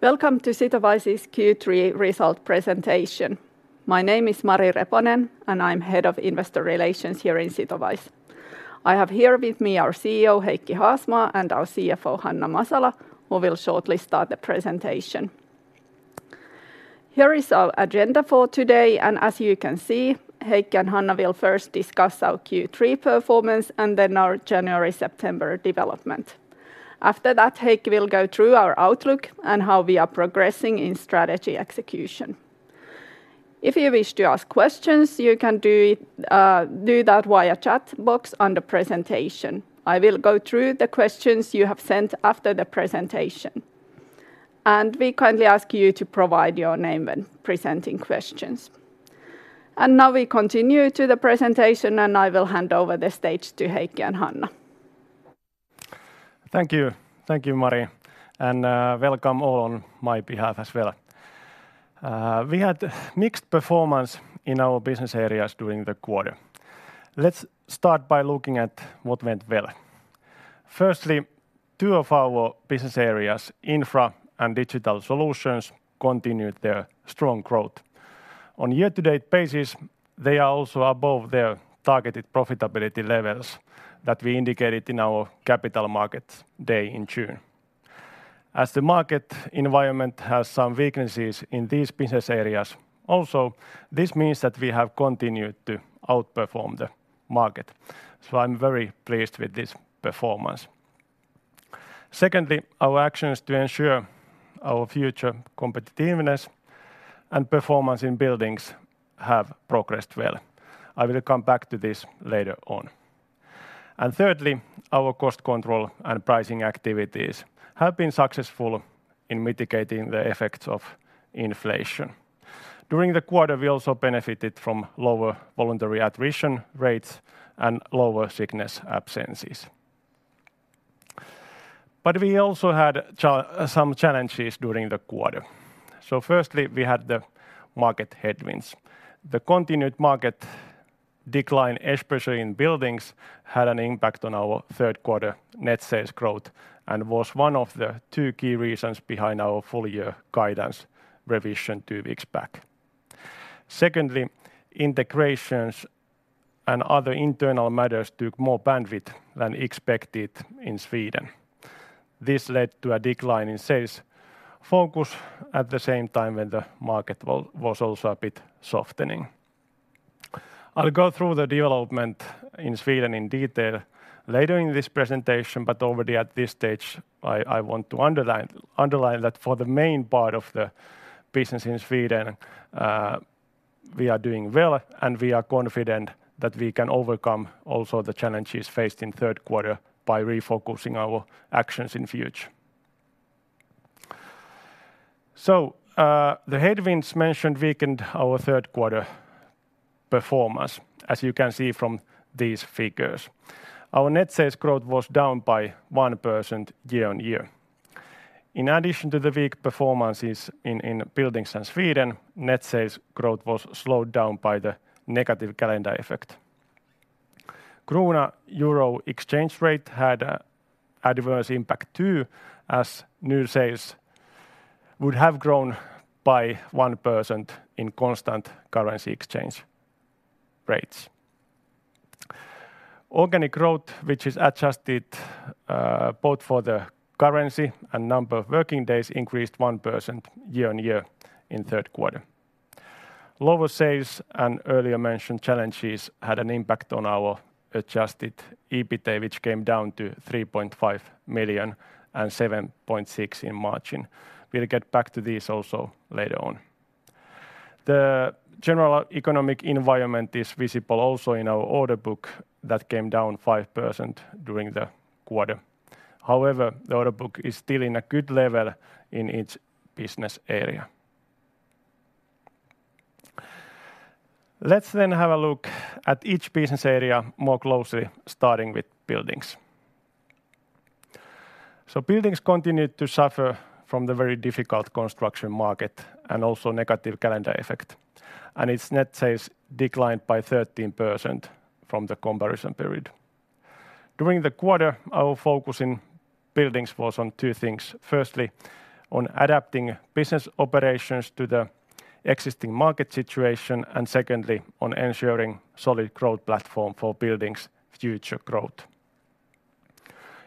Welcome to Sitowise's Q3 result presentation. My name is Mari Reponen, and I'm Head of Investor Relations here in Sitowise. I have here with me our CEO, Heikki Haasmaa, and our CFO, Hanna Masala, who will shortly start the presentation. Here is our agenda for today, and as you can see, Heikki and Hanna will first discuss our Q3 performance and then our January-September development. After that, Heikki will go through our outlook and how we are progressing in strategy execution. If you wish to ask questions, you can do it, do that via chat box on the presentation. I will go through the questions you have sent after the presentation. We kindly ask you to provide your name when presenting questions. Now we continue to the presentation, and I will hand over the stage to Heikki and Hanna. Thank you. Thank you, Mari, and welcome all on my behalf as well. We had mixed performance in our business areas during the quarter. Let's start by looking at what went well. Firstly, two of our business areas, Infra and Digital Solutions, continued their strong growth. On year-to-date basis, they are also above their targeted profitability levels that we indicated in our Capital Market Day in June. As the market environment has some weaknesses in these business areas, also, this means that we have continued to outperform the market. So I'm very pleased with this performance. Secondly, our actions to ensure our future competitiveness and performance in Buildings have progressed well. I will come back to this later on. And thirdly, our cost control and pricing activities have been successful in mitigating the effects of inflation. During the quarter, we also benefited from lower voluntary attrition rates and lower sickness absences. But we also had some challenges during the quarter. So firstly, we had the market headwinds. The continued market decline, especially in buildings, had an impact on our third quarter net sales growth and was one of the two key reasons behind our full year guidance revision two weeks back. Secondly, integrations and other internal matters took more bandwidth than expected in Sweden. This led to a decline in sales focus at the same time when the market was also a bit softening. I'll go through the development in Sweden in detail later in this presentation, but already at this stage, I want to underline that for the main part of the business in Sweden, we are doing well, and we are confident that we can overcome also the challenges faced in third quarter by refocusing our actions in future. So, the headwinds mentioned weakened our third quarter performance, as you can see from these figures. Our net sales growth was down by 1% year-on-year. In addition to the weak performances in buildings and Sweden, net sales growth was slowed down by the negative calendar effect. Krona-euro exchange rate had an adverse impact too, as net sales would have grown by 1% in constant currency exchange rates. Organic growth, which is adjusted both for the currency and number of working days, increased 1% year-on-year in third quarter. Lower sales and earlier mentioned challenges had an impact on our adjusted EBITA, which came down to 3.5 million and 7.6% in margin. We'll get back to this also later on. The general economic environment is visible also in our order book that came down 5% during the quarter. However, the order book is still in a good level in each business area. Let's then have a look at each business area more closely, starting with buildings. So buildings continued to suffer from the very difficult construction market and also negative calendar effect, and its net sales declined by 13% from the comparison period. During the quarter, our focus in buildings was on two things: firstly, on adapting business operations to the existing market situation, and secondly, on ensuring solid growth platform for buildings' future growth.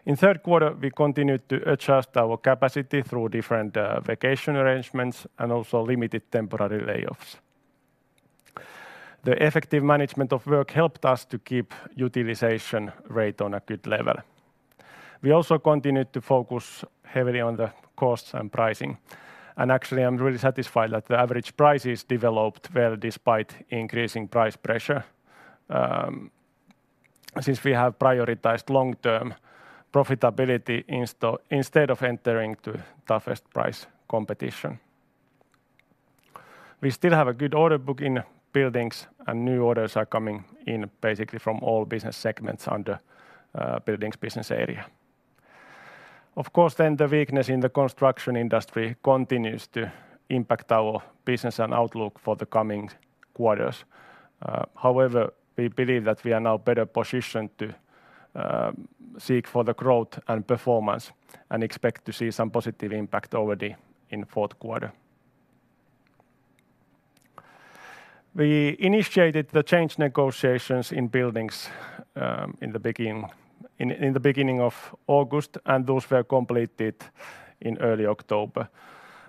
In third quarter, we continued to adjust our capacity through different vacation arrangements and also limited temporary layoffs. The effective management of work helped us to keep utilization rate on a good level. We also continued to focus heavily on the costs and pricing, and actually, I'm really satisfied that the average prices developed well despite increasing price pressure, since we have prioritized long-term profitability instead of entering to toughest price competition. We still have a good order book in buildings, and new orders are coming in basically from all business segments under buildings business area. Of course, the weakness in the construction industry continues to impact our business and outlook for the coming quarters. However, we believe that we are now better positioned to seek for the growth and performance, and expect to see some positive impact already in fourth quarter. We initiated the change negotiations in buildings in the beginning of August, and those were completed in early October.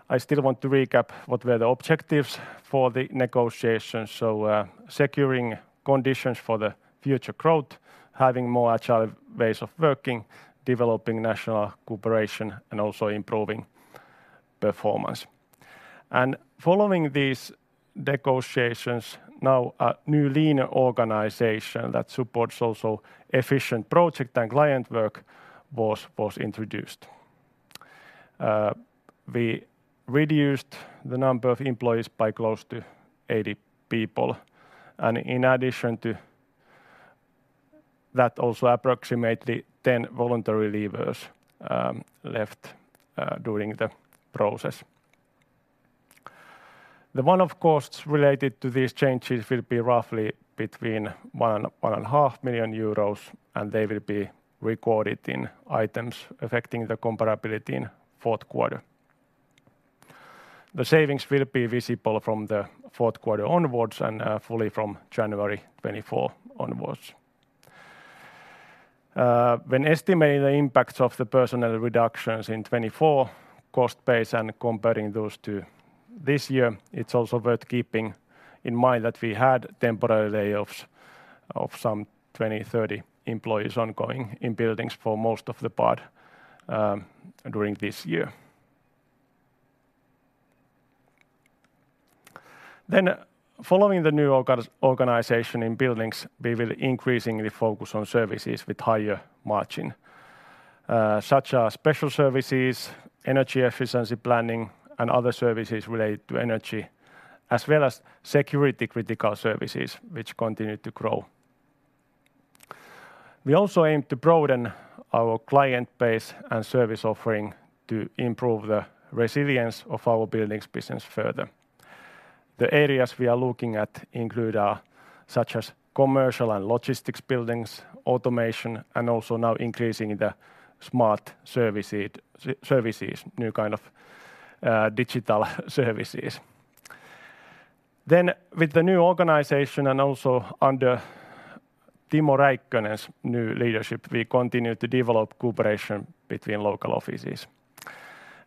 I still want to recap what were the objectives for the negotiations. Securing conditions for the future growth, having more agile ways of working, developing national cooperation, and also improving performance. Following these negotiations, now a new leaner organization that supports also efficient project and client work was introduced. We reduced the number of employees by close to 80 people, and in addition to that, also approximately 10 voluntary leavers left during the process. The one-off costs related to these changes will be roughly between 1 million euros and EUR 1.5 million, and they will be recorded in items affecting the comparability in fourth quarter. The savings will be visible from the fourth quarter onwards, and fully from January 2024 onwards. When estimating the impacts of the personnel reductions in 2024, cost base and comparing those to this year, it's also worth keeping in mind that we had temporary layoffs of some 20-30 employees ongoing in buildings for most of the part during this year. Then following the new organization in buildings, we will increasingly focus on services with higher margin, such as special services, energy efficiency planning, and other services related to energy, as well as security-critical services, which continue to grow. We also aim to broaden our client base and service offering to improve the resilience of our buildings business further. The areas we are looking at include, such as commercial and logistics, buildings, automation, and also now increasing the smart services, new kind of, digital services. Then with the new organization, and also under Timo Räikkönen's new leadership, we continue to develop cooperation between local offices.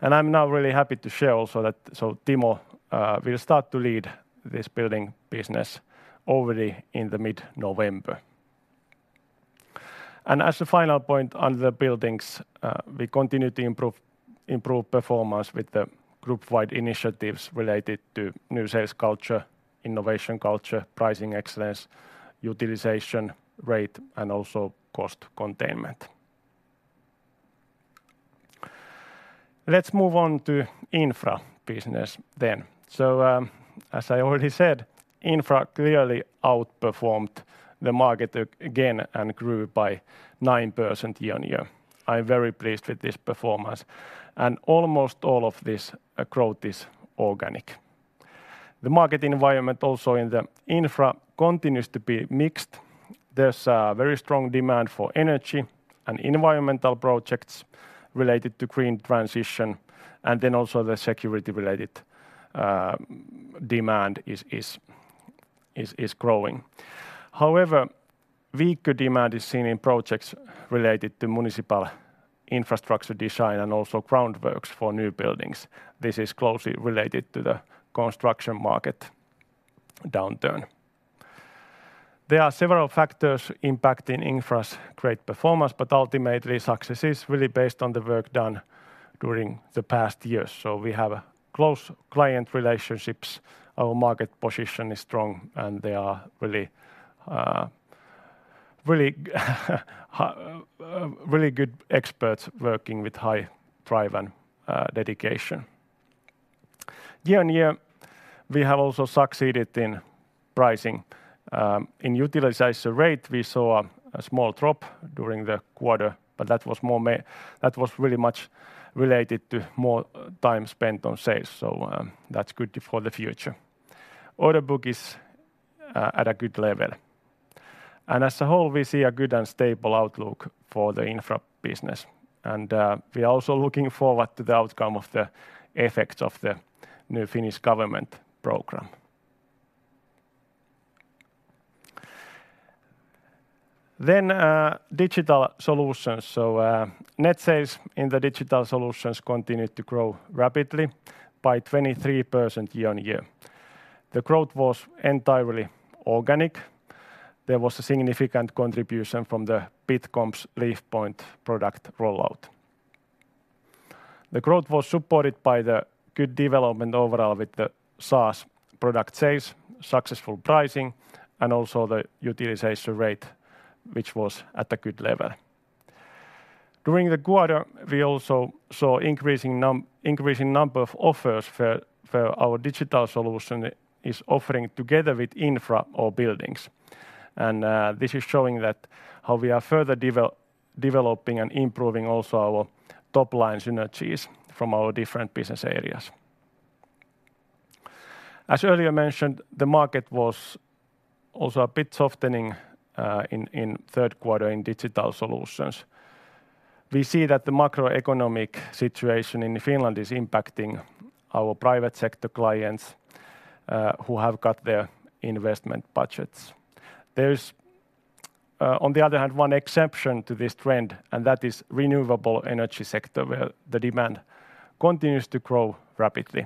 And I'm now really happy to share also that... So Timo, will start to lead this building business already in the mid-November. As a final point, under the buildings, we continue to improve performance with the group-wide initiatives related to new sales culture, innovation culture, pricing excellence, utilization rate, and also cost containment. Let's move on to Infra business then. So, as I already said, Infra clearly outperformed the market again and grew by 9% year-on-year. I'm very pleased with this performance, and almost all of this growth is organic. The market environment also in the Infra continues to be mixed. There's a very strong demand for energy and environmental projects related to green transition, and then also the security-related demand is growing. However, weaker demand is seen in projects related to municipal infrastructure design and also groundworks for new buildings. This is closely related to the construction market downturn. There are several factors impacting Infra's great performance, but ultimately, success is really based on the work done during the past years. So we have close client relationships, our market position is strong, and they are really good experts working with high drive and dedication. Year-on-year, we have also succeeded in pricing. In utilization rate, we saw a small drop during the quarter, but that was really much related to more time spent on sales, so that's good for the future. Order book is at a good level, and as a whole, we see a good and stable outlook for the Infra business. And we are also looking forward to the outcome of the effects of the new Finnish government program. Then, digital solutions. Net sales in the Digital Solutions continued to grow rapidly by 23% year-on-year. The growth was entirely organic. There was a significant contribution from Bitcomp's LeafPoint product roll-out. The growth was supported by the good development overall with the SaaS product sales, successful pricing, and also the utilization rate, which was at a good level. During the quarter, we also saw increasing number of offers for our digital solutions offering together with Infra or Buildings. This is showing that how we are further developing and improving also our top-line synergies from our different business areas. As earlier mentioned, the market was also a bit softening in third quarter in Digital Solutions. We see that the macroeconomic situation in Finland is impacting our private sector clients who have cut their investment budgets. There's, on the other hand, one exception to this trend, and that is renewable energy sector, where the demand continues to grow rapidly.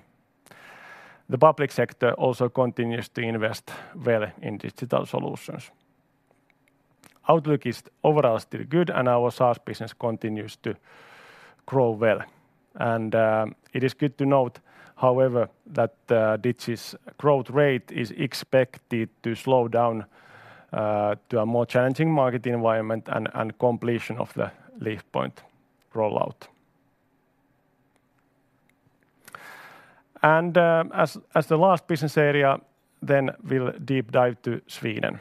The public sector also continues to invest well in digital solutions. Outlook is overall still good, and our SaaS business continues to grow well. It is good to note, however, that Digi's growth rate is expected to slow down to a more challenging market environment and completion of the LeafPoint roll-out. As the last business area, then we'll deep dive to Sweden.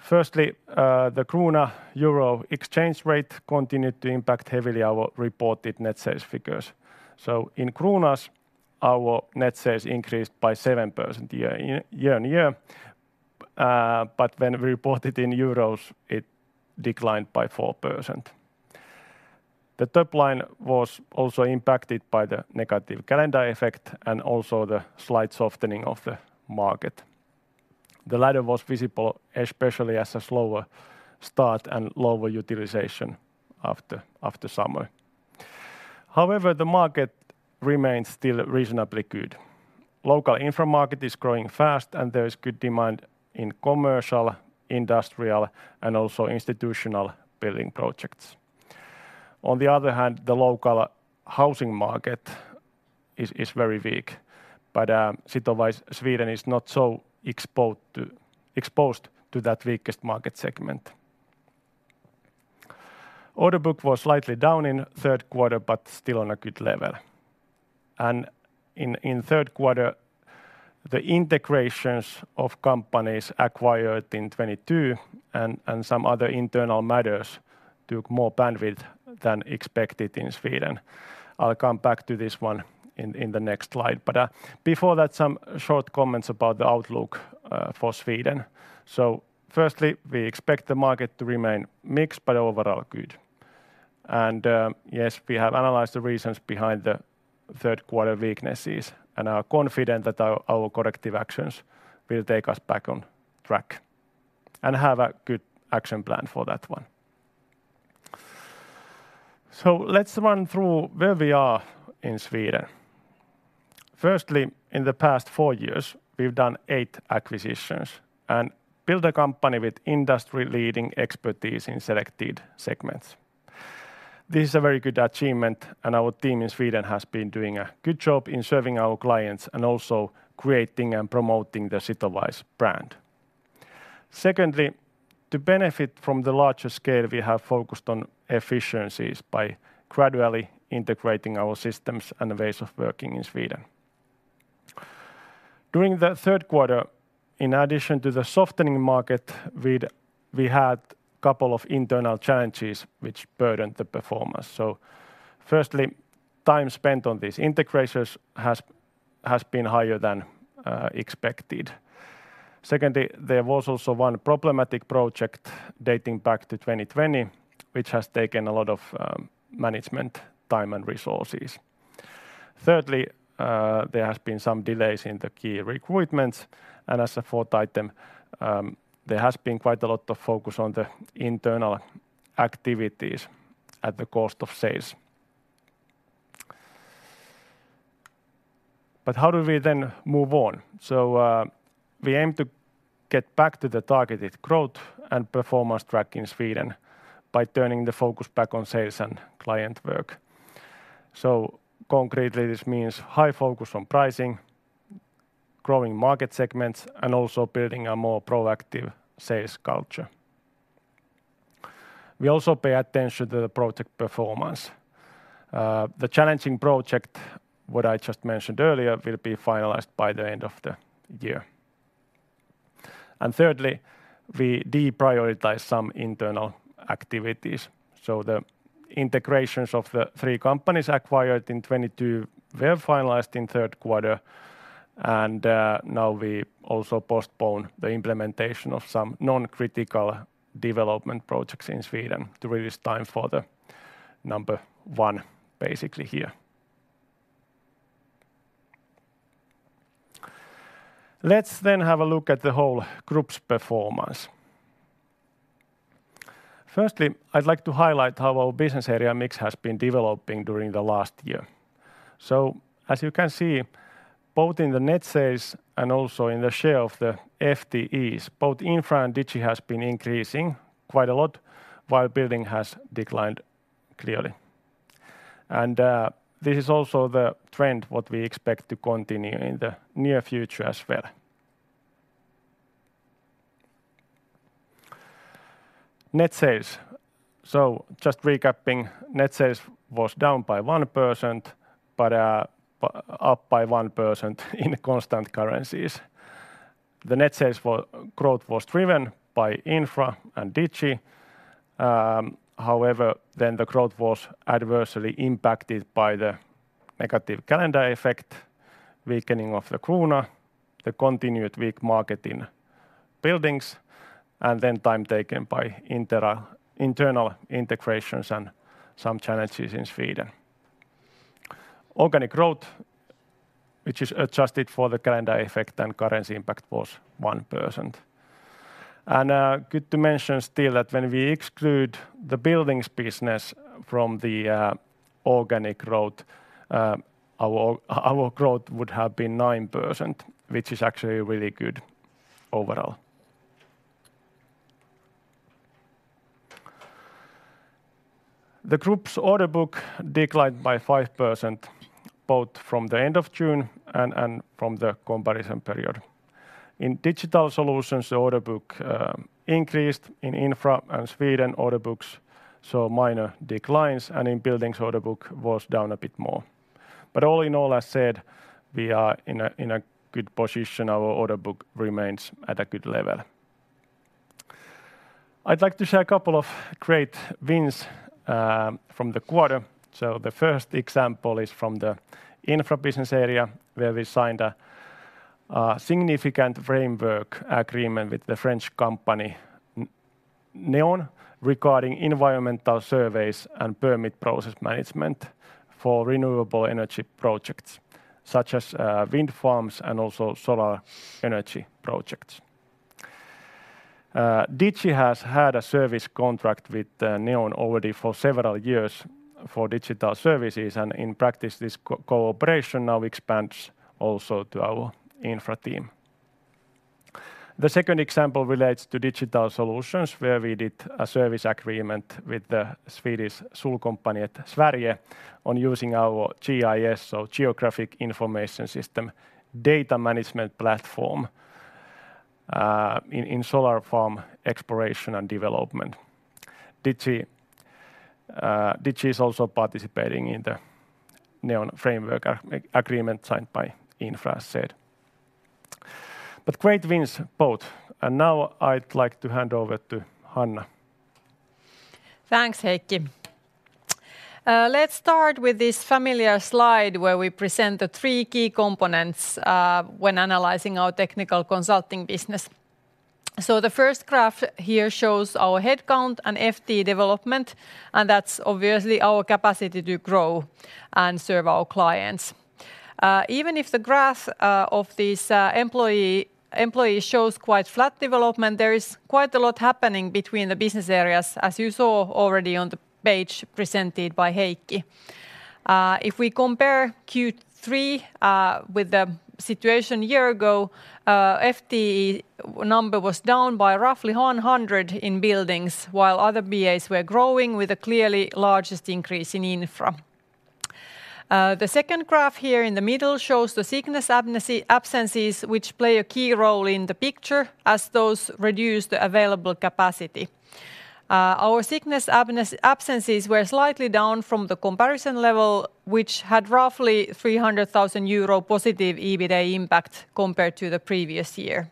Firstly, the krona-euro exchange rate continued to impact heavily our reported net sales figures. In kronas, our net sales increased by 7% year-over-year, but when reported in euros, it declined by 4%. The top line was also impacted by the negative calendar effect and also the slight softening of the market. The latter was visible, especially as a slower start and lower utilization after summer. However, the market remains still reasonably good. Local infra market is growing fast, and there is good demand in commercial, industrial, and also institutional building projects. On the other hand, the local housing market is very weak, but Sitowise Sweden is not so exposed to that weakest market segment. Order book was slightly down in third quarter, but still on a good level. And in third quarter, the integrations of companies acquired in 2022 and some other internal matters took more bandwidth than expected in Sweden. I'll come back to this one in the next slide. But before that, some short comments about the outlook for Sweden. So firstly, we expect the market to remain mixed, but overall good. And, yes, we have analyzed the reasons behind the third quarter weaknesses and are confident that our corrective actions will take us back on track, and have a good action plan for that one. So let's run through where we are in Sweden. Firstly, in the past four years, we've done eight acquisitions and built a company with industry-leading expertise in selected segments. This is a very good achievement, and our team in Sweden has been doing a good job in serving our clients and also creating and promoting the Sitowise brand. Secondly, to benefit from the larger scale, we have focused on efficiencies by gradually integrating our systems and ways of working in Sweden. During the third quarter, in addition to the softening market, we had couple of internal challenges which burdened the performance. So firstly, time spent on these integrations has been higher than expected. Secondly, there was also one problematic project dating back to 2020, which has taken a lot of management time and resources. Thirdly, there has been some delays in the key recruitments, and as a fourth item, there has been quite a lot of focus on the internal activities at the cost of sales. But how do we then move on? So, we aim to get back to the targeted growth and performance track in Sweden by turning the focus back on sales and client work. So concretely, this means high focus on pricing, growing market segments, and also building a more proactive sales culture. We also pay attention to the project performance. The challenging project, what I just mentioned earlier, will be finalized by the end of the year. And thirdly, we deprioritize some internal activities. So the integrations of the three companies acquired in 2022 were finalized in third quarter, and now we also postpone the implementation of some non-critical development projects in Sweden to release time for the number one, basically here. Let's then have a look at the whole group's performance. Firstly, I'd like to highlight how our business area mix has been developing during the last year. So as you can see, both in the net sales and also in the share of the FTEs, both Infra and Digi has been increasing quite a lot, while Building has declined clearly. And this is also the trend what we expect to continue in the near future as well. Net sales. So just recapping, net sales was down by 1%, but up by 1% in constant currencies. The net sales for growth was driven by Infra and Digi. However, the growth was adversely impacted by the negative calendar effect, weakening of the krona, the continued weak market in buildings, and time taken by internal integrations and some challenges in Sweden. Organic growth, which is adjusted for the calendar effect and currency impact, was 1%. Good to mention still that when we exclude the buildings business from the organic growth, our growth would have been 9%, which is actually really good overall. The group's order book declined by 5%, both from the end of June and from the comparison period. In Digital Solutions, the order book increased. In Infra and Sweden, order books saw minor declines, and in buildings, order book was down a bit more. But all in all, as said, we are in a good position. Our order book remains at a good level. I'd like to share a couple of great wins from the quarter. So the first example is from the Infra business area, where we signed a significant framework agreement with the French company, Neoen, regarding environmental surveys and permit process management for renewable energy projects, such as wind farms and also solar energy projects. Digi has had a service contract with Neoen already for several years for digital services, and in practice, this cooperation now expands also to our Infra team. The second example relates to digital solutions, where we did a service agreement with the Swedish Solkompaniet Sverige on using our GIS, so geographic information system, data management platform in solar farm exploration and development. Digi, Digi is also participating in the Neoen framework agreement signed by Infra as said. But great wins both. And now I'd like to hand over to Hanna. Thanks, Heikki. Let's start with this familiar slide, where we present the three key components when analyzing our technical consulting business. The first graph here shows our headcount and FTE development, and that's obviously our capacity to grow and serve our clients. Even if the graph of these employee shows quite flat development, there is quite a lot happening between the business areas, as you saw already on the page presented by Heikki. If we compare Q3 with the situation a year ago, FTE number was down by roughly 100 in buildings, while other BAs were growing with a clearly largest increase in Infra. The second graph here in the middle shows the sickness absences, which play a key role in the picture, as those reduce the available capacity. Our sickness absences were slightly down from the comparison level, which had roughly 300,000 euro positive EBITA impact compared to the previous year.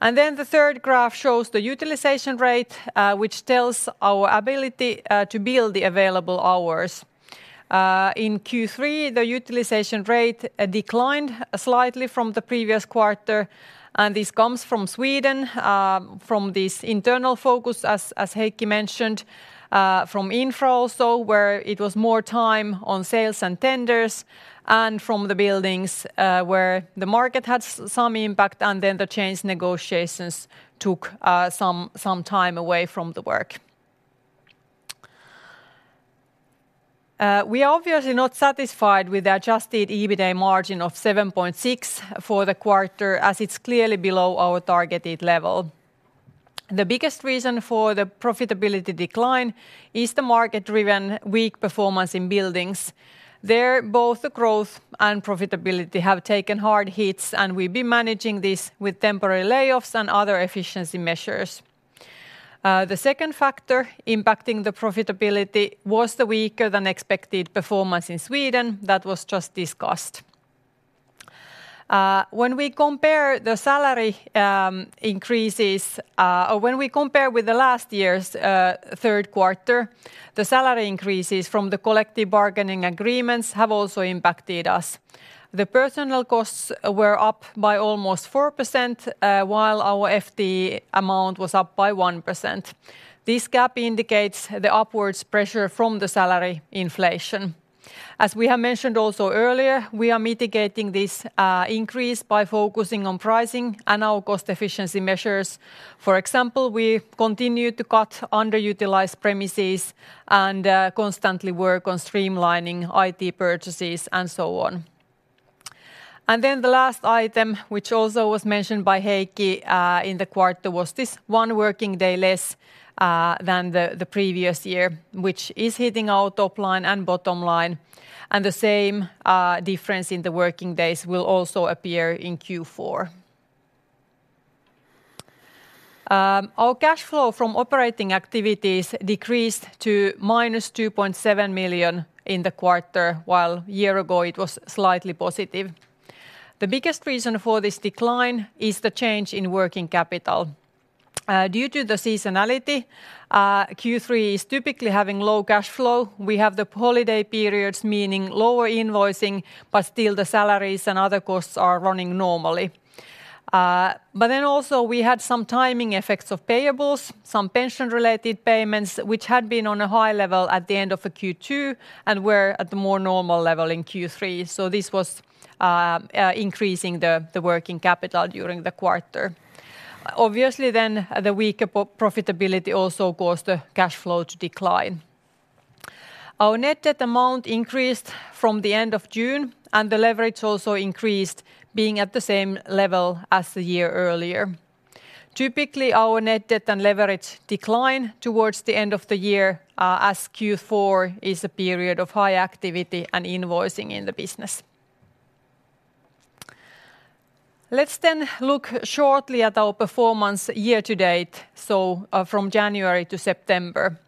The third graph shows the utilization rate, which tells our ability to bill the available hours. In Q3, the utilization rate declined slightly from the previous quarter, and this comes from Sweden, from this internal focus, as Heikki mentioned, from Infra also, where it was more time on sales and tenders, and from the buildings, where the market had some impact, and then the change negotiations took some time away from the work. We are obviously not satisfied with the adjusted EBITA margin of 7.6% for the quarter, as it's clearly below our targeted level. The biggest reason for the profitability decline is the market-driven weak performance in buildings. There, both the growth and profitability have taken hard hits, and we've been managing this with temporary layoffs and other efficiency measures. The second factor impacting the profitability was the weaker-than-expected performance in Sweden that was just discussed. When we compare the salary increases or when we compare with the last year's third quarter, the salary increases from the collective bargaining agreements have also impacted us. The personnel costs were up by almost 4%, while our FTE amount was up by 1%. This gap indicates the upwards pressure from the salary inflation. As we have mentioned also earlier, we are mitigating this increase by focusing on pricing and our cost efficiency measures. For example, we continue to cut underutilized premises and constantly work on streamlining IT purchases, and so on. Then the last item, which also was mentioned by Heikki in the quarter, was this one working day less than the previous year, which is hitting our top line and bottom line, and the same difference in the working days will also appear in Q4. Our cash flow from operating activities decreased to -2.7 million in the quarter, while a year ago it was slightly positive. The biggest reason for this decline is the change in working capital. Due to the seasonality, Q3 is typically having low cash flow. We have the holiday periods, meaning lower invoicing, but still the salaries and other costs are running normally. But then also we had some timing effects of payables, some pension-related payments, which had been on a high level at the end of the Q2 and were at the more normal level in Q3. So this was increasing the working capital during the quarter. Obviously, then, the weaker profitability also caused the cash flow to decline. Our net debt amount increased from the end of June, and the leverage also increased, being at the same level as the year earlier. Typically, our net debt and leverage decline towards the end of the year, as Q4 is a period of high activity and invoicing in the business. Let's then look shortly at our performance year to date, from January to September.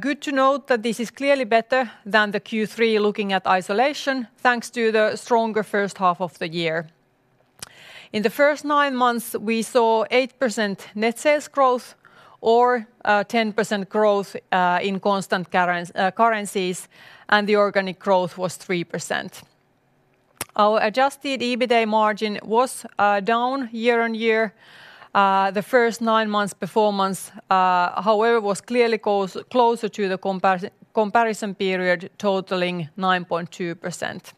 Good to note that this is clearly better than the Q3, looking at isolation, thanks to the stronger first half of the year. In the first nine months, we saw 8% net sales growth or, ten percent growth, in constant currencies, and the organic growth was 3%. Our adjusted EBITA margin was, down year-on-year. The first nine months' performance, however, was clearly closer to the comparison period, totaling 9.2%.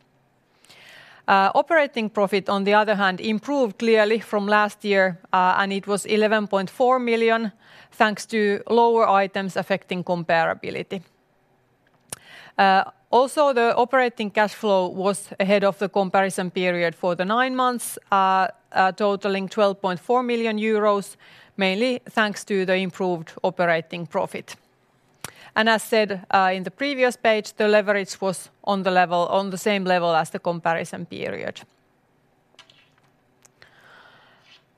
Operating profit, on the other hand, improved clearly from last year, and it was 11.4 million, thanks to lower items affecting comparability. Also, the operating cash flow was ahead of the comparison period for the nine months, totaling 12.4 million euros, mainly thanks to the improved operating profit. As said, in the previous page, the leverage was on the level, on the same level as the comparison period.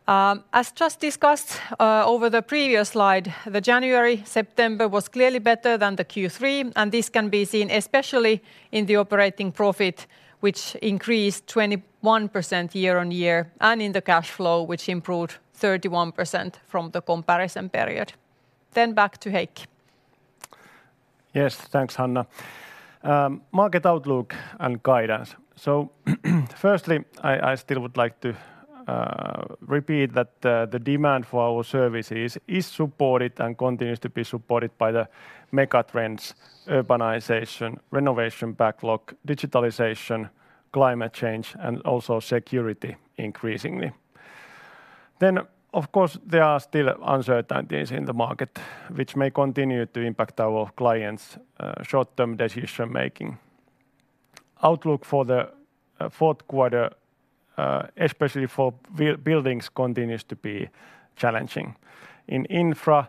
As just discussed, over the previous slide, the January-September was clearly better than the Q3, and this can be seen especially in the operating profit, which increased 21% year-on-year, and in the cash flow, which improved 31% from the comparison period. Then back to Heikki. Yes, thanks, Hanna. Market outlook and guidance. So firstly, I still would like to repeat that the demand for our services is supported and continues to be supported by the megatrends: urbanization, renovation backlog, digitalization, climate change, and also security, increasingly. Then, of course, there are still uncertainties in the market, which may continue to impact our clients' short-term decision making. Outlook for the fourth quarter, especially for buildings, continues to be challenging. In Infra,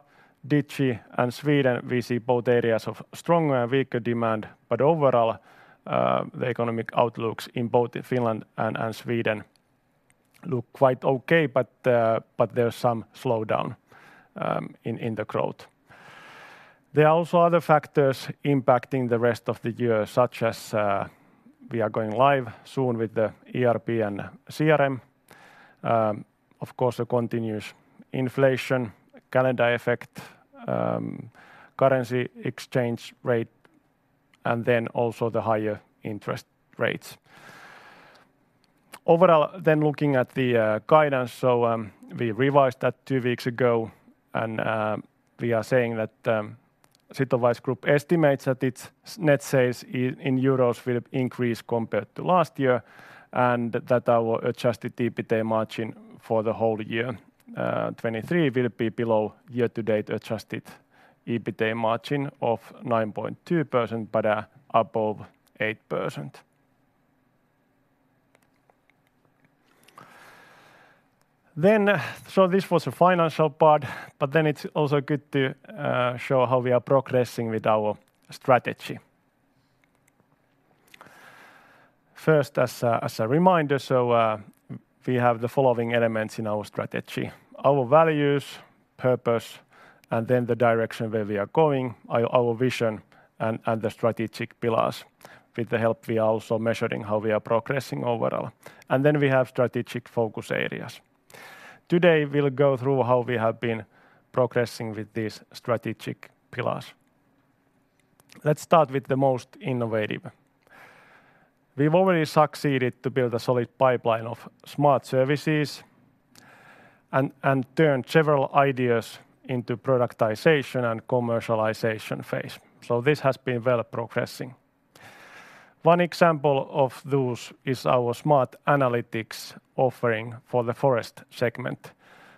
Digi, and Sweden, we see both areas of stronger and weaker demand, but overall, the economic outlooks in both Finland and Sweden look quite okay, but there's some slowdown in the growth. There are also other factors impacting the rest of the year, such as we are going live soon with the ERP and CRM. Of course, the continuous inflation, calendar effect, currency exchange rate, and then also the higher interest rates. Overall, then looking at the guidance, so, we revised that two weeks ago, and, we are saying that, Sitowise Group estimates that its net sales in euros will increase compared to last year, and that our adjusted EBITA margin for the whole year, 2023, will be below year-to-date adjusted EBITA margin of 9.2%, but, above 8%. So this was the financial part, but then it's also good to show how we are progressing with our strategy. First, as a reminder, so, we have the following elements in our strategy: our values, purpose, and then the direction where we are going, our vision and the strategic pillars. With the help, we are also measuring how we are progressing overall. And then we have strategic focus areas. Today, we'll go through how we have been progressing with these strategic pillars. Let's start with the most innovative. We've already succeeded to build a solid pipeline of smart services and turned several ideas into productization and commercialization phase, so this has been well progressing. One example of those is our smart analytics offering for the forest segment.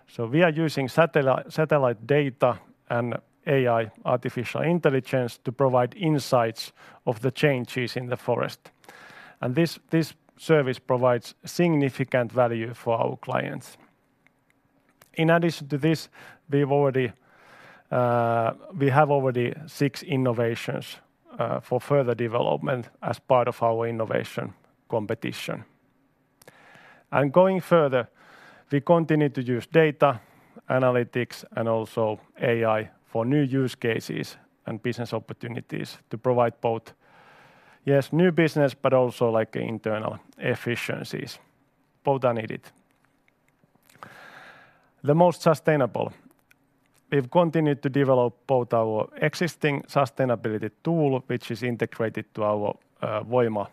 So we are using satellite data and AI, artificial intelligence, to provide insights of the changes in the forest. And this service provides significant value for our clients. In addition to this, we have already six innovations for further development as part of our innovation competition. And going further, we continue to use data, analytics, and also AI for new use cases and business opportunities to provide both, yes, new business, but also, like, internal efficiencies. Both are needed. The most sustainable, we've continued to develop both our existing sustainability tool, which is integrated to our Voima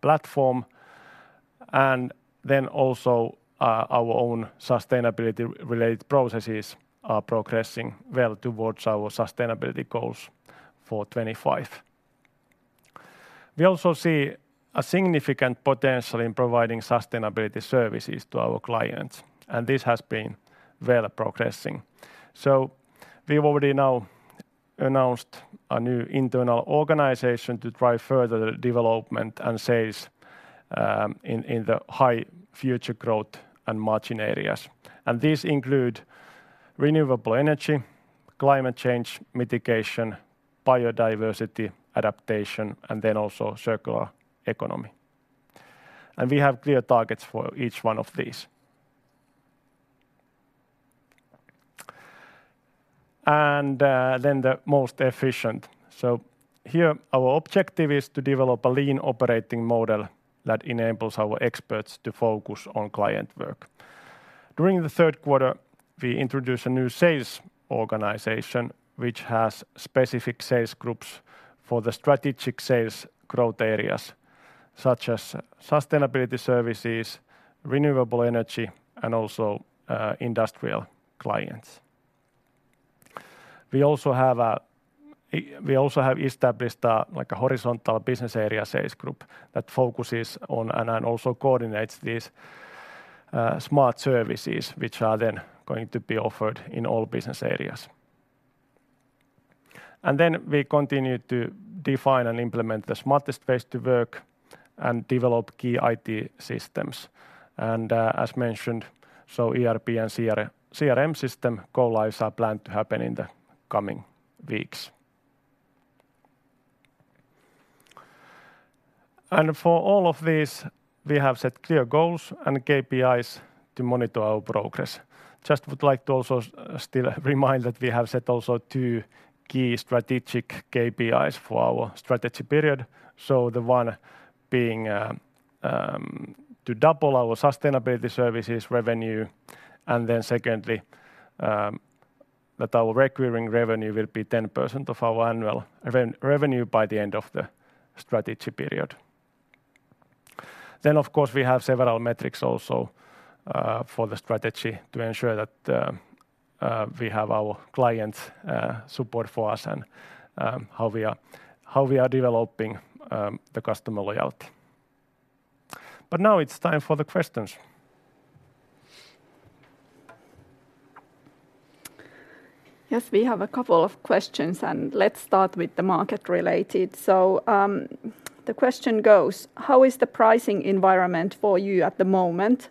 platform, and then also our own sustainability related processes are progressing well towards our sustainability goals for 2025. We also see a significant potential in providing sustainability services to our clients, and this has been well progressing. So we've already now announced a new internal organization to drive further development and sales in the high future growth and margin areas. And these include renewable energy, climate change mitigation, biodiversity adaptation, and then also circular economy. And we have clear targets for each one of these. And then the most efficient, so here our objective is to develop a lean operating model that enables our experts to focus on client work. During the third quarter, we introduced a new sales organization, which has specific sales groups for the strategic sales growth areas, such as sustainability services, renewable energy, and also industrial clients. We also have we also have established a, like, a horizontal business area sales group that focuses on, and also coordinates these smart services, which are then going to be offered in all business areas. And then we continue to define and implement the smartest ways to work and develop key IT systems. And, as mentioned, so ERP and CRM system go-lives are planned to happen in the coming weeks. And for all of this, we have set clear goals and KPIs to monitor our progress. Just would like to also still remind that we have set also two key strategic KPIs for our strategy period, so the one being, to double our sustainability services revenue, and then secondly, that our recurring revenue will be 10% of our annual revenue by the end of the strategy period. Then, of course, we have several metrics also, for the strategy to ensure that, we have our clients', support for us and, how we are, how we are developing, the customer loyalty. But now it's time for the questions. Yes, we have a couple of questions, and let's start with the market-related. So, the question goes: "How is the pricing environment for you at the moment,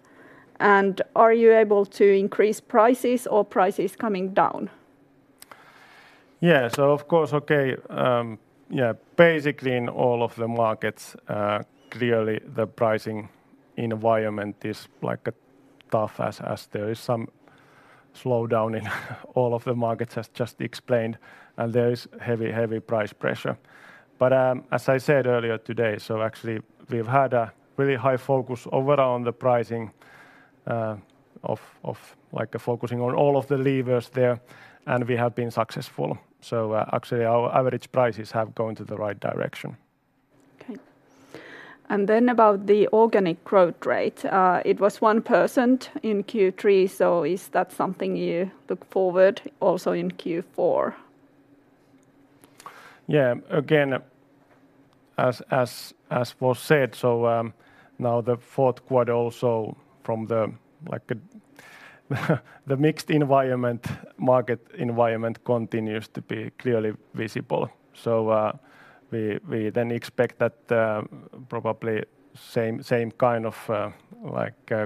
and are you able to increase prices or prices coming down? Yeah. So of course, okay, yeah, basically, in all of the markets, clearly the pricing environment is like tough as there is some slowdown in all of the markets, as just explained, and there is heavy, heavy price pressure. But, as I said earlier today, so actually we've had a really high focus overall on the pricing of like focusing on all of the levers there, and we have been successful. So, actually, our average prices have gone to the right direction. Okay. And then about the organic growth rate, it was one person in Q3, so is that something you look forward also in Q4? Yeah. Again, as was said, so now the fourth quarter also from the mixed market environment continues to be clearly visible. So we then expect that probably same kind of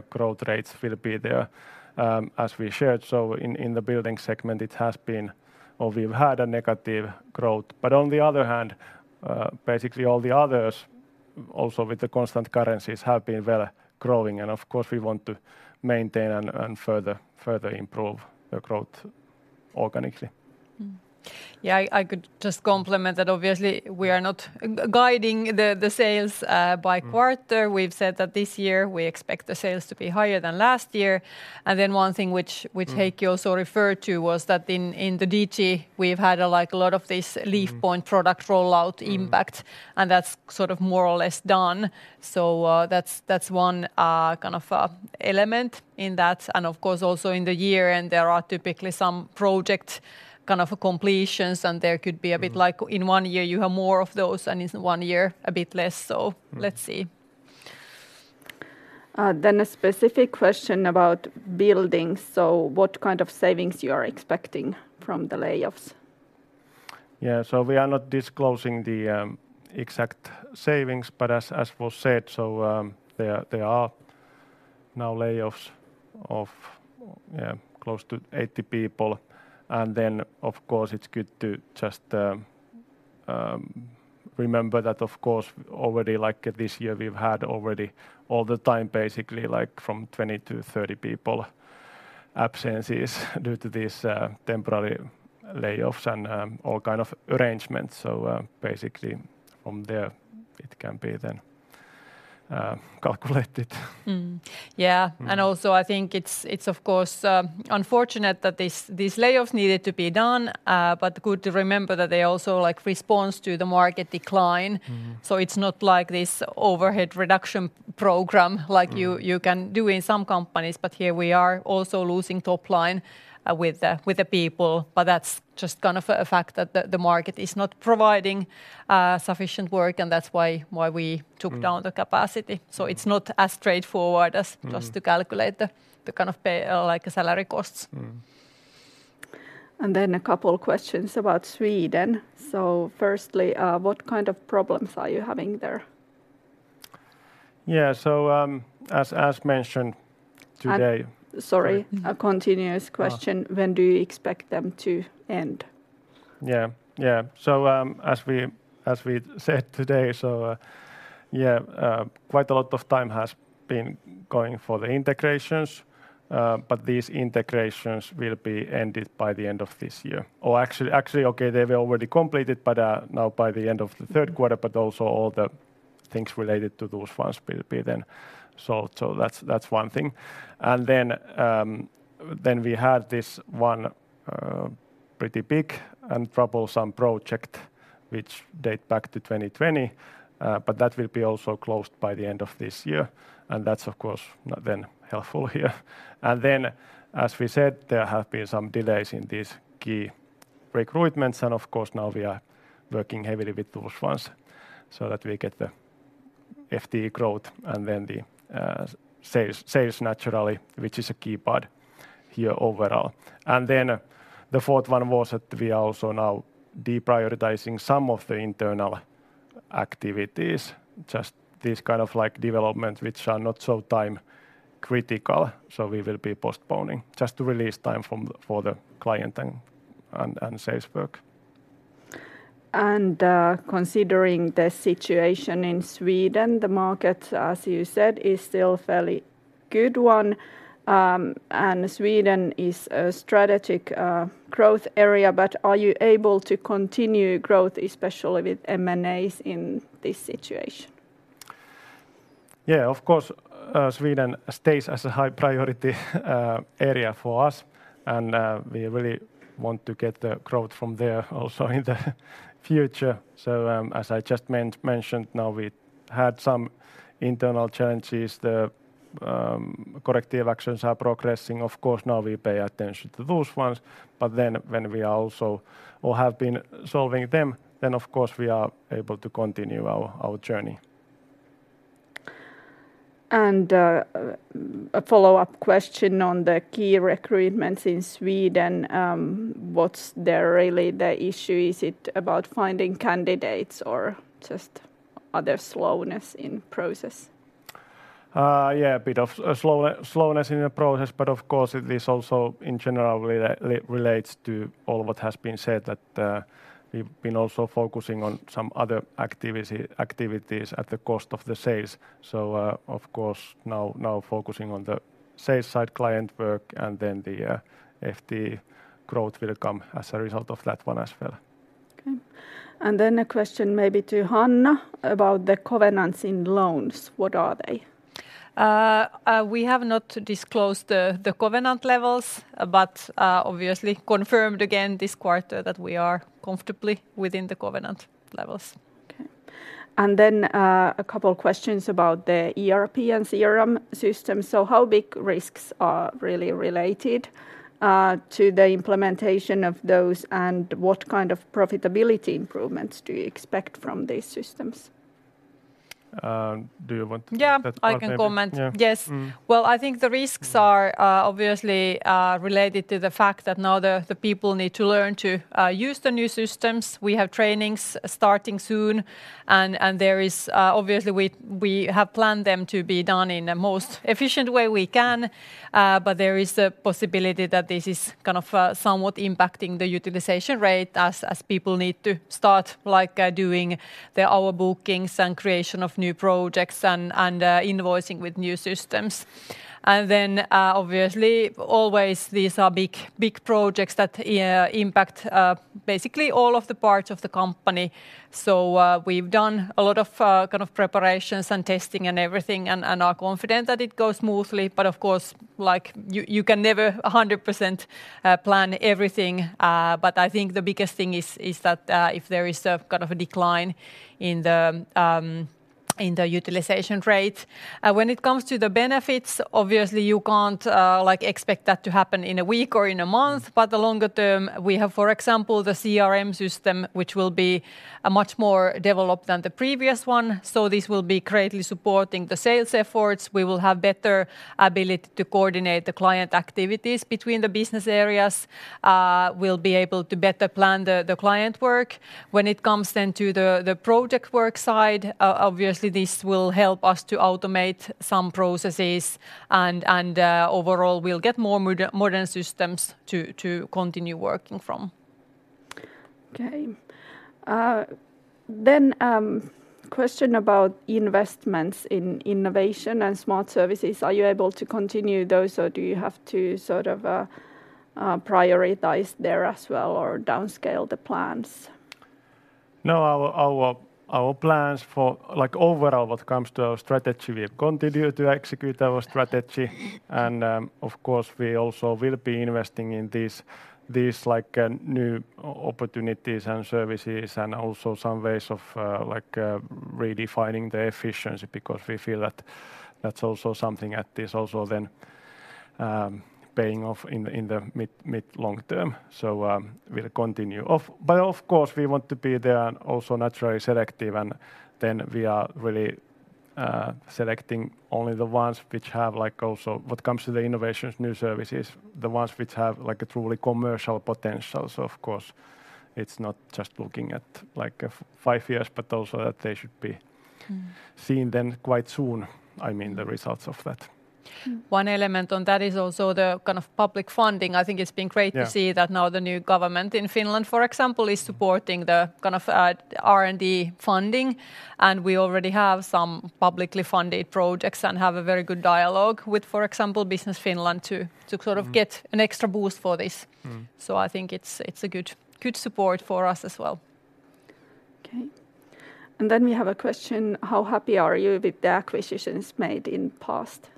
growth rates will be there as we shared. So in the building segment, it has been... Or we've had a negative growth. But on the other hand, basically all the others, also with the constant currencies, have been well growing. And of course, we want to maintain and further improve the growth organically. Mm-hmm. Yeah, I could just complement that obviously we are not guiding the sales by quarter. We've said that this year we expect the sales to be higher than last year. And then one thing which Heikki also referred to was that in the DT, we've had, like, a lot of this Leafpoint product rollout impact and that's sort of more or less done. So, that's, that's one kind of element in that, and of course, also in the year-end, there are typically some project kind of completions, and there could be a bit like in one year you have more of those and in one year a bit less, so let's see. Then a specific question about buildings. So what kind of savings you are expecting from the layoffs? Yeah, so we are not disclosing the exact savings, but as was said, there are now layoffs of, yeah, close to 80 people. And then, of course, it's good to just remember that, of course, already, like, this year, we've had already all the time, basically, like, from 20 to 30 people absences due to this temporary layoffs and all kind of arrangements. So, basically from there it can be then calculated. Mm. Yeah. Also, I think it's of course unfortunate that these layoffs needed to be done, but good to remember that they also, like, respond to the market decline. It's not like this overhead reduction program like you, you can do in some companies, but here we are also losing top line, with the, with the people. But that's just kind of a fact that the, the market is not providing sufficient work, and that's why, why we took down the capacity. So it's not as straightforward as just to calculate the kind of pay, like salary costs. A couple questions about Sweden. Firstly, what kind of problems are you having there? Yeah. So, as mentioned today- Sorry, a continuous question- Uh... when do you expect them to end? Yeah. Yeah. So, as we, as we said today, so, yeah, quite a lot of time has been going for the integrations. But these integrations will be ended by the end of this year. Or actually, okay, they were already completed, but now by the end of the third quarter, but also all the things related to those ones will be then. So that's one thing. And then, then we had this one, pretty big and troublesome project, which date back to 2020, but that will be also closed by the end of this year, and that's, of course, not then helpful here. As we said, there have been some delays in these key recruitments, and of course, now we are working heavily with those ones so that we get the FTE growth, and then the sales, sales naturally, which is a key part here overall. And then the fourth one was that we are also now deprioritizing some of the internal activities, just this kind of, like, development, which are not so time critical, so we will be postponing just to release time for the client and sales work. Considering the situation in Sweden, the market, as you said, is still fairly good one. Sweden is a strategic growth area, but are you able to continue growth, especially with M&As in this situation? Yeah, of course, Sweden stays as a high priority area for us, and we really want to get the growth from there also in the future. So, as I just mentioned now, we had some internal challenges. The corrective actions are progressing. Of course, now we pay attention to those ones, but then when we are also or have been solving them, then of course we are able to continue our journey. A follow-up question on the key recruitments in Sweden. What's really the issue? Is it about finding candidates or just other slowness in process? Yeah, a bit of a slowness in the process, but of course, this also in general relates to all what has been said, that we've been also focusing on some other activities at the cost of the sales. So, of course, now focusing on the sales side, client work, and then the FTE growth will come as a result of that one as well. Okay. And then a question maybe to Hanna about the covenants in loans, what are they? We have not disclosed the covenant levels, but obviously confirmed again this quarter that we are comfortably within the covenant levels. Okay. And then, a couple of questions about the ERP and CRM system. So how big risks are really related to the implementation of those, and what kind of profitability improvements do you expect from these systems? Do you want to- Yeah... That one maybe- I can comment. Yeah. Yes. Mm. Well, I think the risks are- Mm... obviously, are related to the fact that now the people need to learn to use the new systems. We have trainings starting soon, and there is obviously we have planned them to be done in a most efficient way we can. But there is a possibility that this is kind of somewhat impacting the utilization rate as people need to start, like, doing the hour bookings and creation of new projects and invoicing with new systems. And then obviously always these are big projects that impact basically all of the parts of the company. So we've done a lot of kind of preparations and testing and everything and are confident that it goes smoothly. But of course, like, you can never 100% plan everything. But I think the biggest thing is that if there is a kind of a decline in the utilization rate. When it comes to the benefits, obviously, you can't like expect that to happen in a week or in a month. But the longer term, we have, for example, the CRM system, which will be much more developed than the previous one. So this will be greatly supporting the sales efforts. We will have better ability to coordinate the client activities between the business areas. We'll be able to better plan the client work. When it comes then to the project work side, obviously, this will help us to automate some processes, and overall, we'll get more modern systems to continue working from.... Okay. Then, question about investments in innovation and smart services. Are you able to continue those, or do you have to sort of prioritize there as well, or downscale the plans? No, our plans for, like, overall, what comes to our strategy, we continue to execute our strategy. And, of course, we also will be investing in these, like, new opportunities and services, and also some ways of, like, redefining the efficiency, because we feel that that's also something that is also then paying off in the mid long term. So, we'll continue. But of course, we want to be there and also naturally selective, and then we are really selecting only the ones which have, like, also what comes to the innovations, new services, the ones which have, like, a truly commercial potential. So of course, it's not just looking at, like, five years, but also that they should be seen then quite soon, I mean, the results of that. One element on that is also the kind of public funding. I think it's been great- Yeah... to see that now the new government in Finland, for example, is supporting the kind of R&D funding, and we already have some publicly funded projects and have a very good dialogue with, for example, Business Finland to- Mm... sort of get an extra boost for this. Mm. So I think it's a good support for us as well. Okay. And then we have a question: How happy are you with the acquisitions made in past?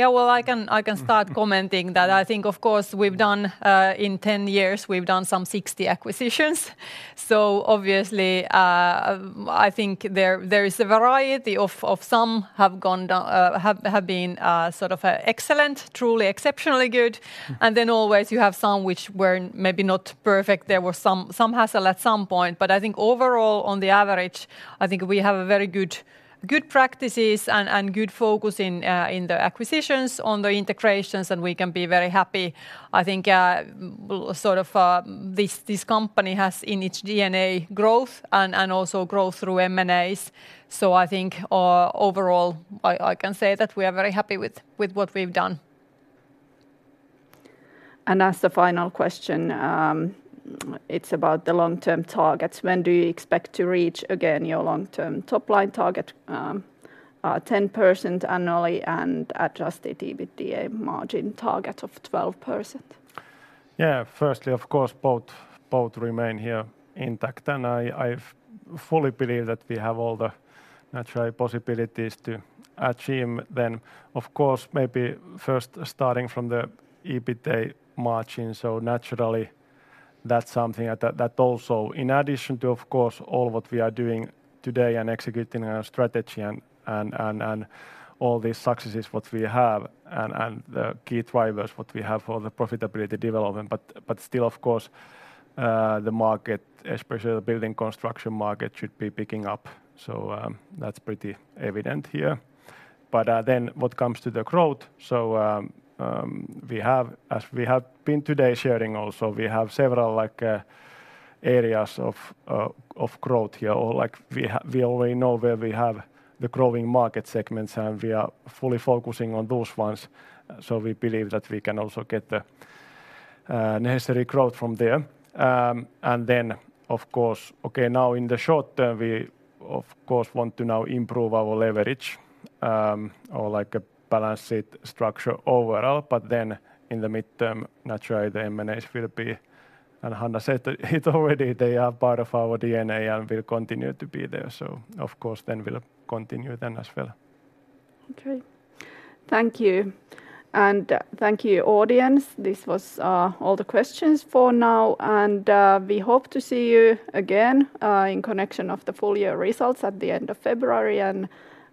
Yeah, well, I can- Mm... start commenting that. I think, of course, we've done, in 10 years, we've done some 60 acquisitions. So obviously, I think there is a variety of, some have gone, have been, sort of, excellent, truly exceptionally good. And then always you have some which were maybe not perfect. There were some, some hassle at some point, but I think overall, on the average, I think we have a very good, good practices and, and good focus in, in the acquisitions, on the integrations, and we can be very happy. I think, sort of, this, this company has in its DNA, growth and, and also growth through M&As. So I think, overall, I, I can say that we are very happy with, with what we've done. As the final question, it's about the long-term targets. When do you expect to reach again your long-term top-line target, 10% annually and adjusted EBITDA margin target of 12%? Yeah. Firstly, of course, both, both remain here intact, and I, I fully believe that we have all the natural possibilities to achieve. Then, of course, maybe first starting from the EBITA margin, so naturally that's something that also... In addition to, of course, all what we are doing today and executing our strategy and all these successes, what we have and the key drivers, what we have for the profitability development. But still, of course, the market, especially the building construction market, should be picking up. So, that's pretty evident here. But then what comes to the growth, so we have, as we have been today sharing also, we have several like areas of growth here. Or like we already know where we have the growing market segments, and we are fully focusing on those ones, so we believe that we can also get the necessary growth from there. And then, of course, okay, now, in the short term, we of course want to now improve our leverage, or like a balance sheet structure overall. But then in the midterm, naturally, the M&As will be... And Hanna said it already, they are part of our DNA and will continue to be there. So of course, then we'll continue then as well. Okay. Thank you, and thank you, audience. This was all the questions for now, and we hope to see you again in connection of the full year results at the end of February. And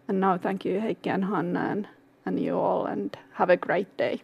now thank you, Heikki and Hanna, and you all, and have a great day!